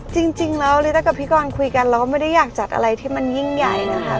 จริงแล้วลิต้ากับพี่กรคุยกันเราก็ไม่ได้อยากจัดอะไรที่มันยิ่งใหญ่นะคะ